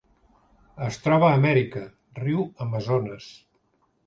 Es troba a Amèrica: riu Amazones.